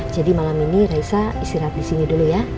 jadi malam ini raisa istirahat disini dulu ya